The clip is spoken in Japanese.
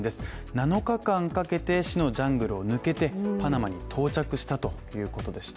７日間かけて死のジャングルを抜けて、パナマに到着したということでした。